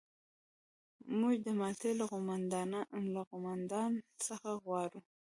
موږ د مالټا له قوماندان څخه غواړو.